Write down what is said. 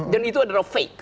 dan itu adalah fake